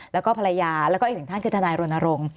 แล้วก็ภรรยาแล้วก็อีกหนึ่งท่านคือทนายรณรงค์